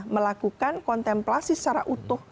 melakukan kontemplasi secara utuh